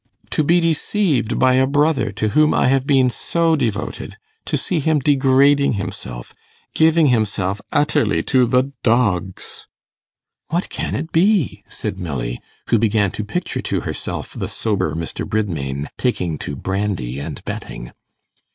To be deceived by a brother to whom I have been so devoted to see him degrading himself giving himself utterly to the dogs!' 'What can it be?' said Milly, who began to picture to herself the sober Mr. Bridmain taking to brandy and betting.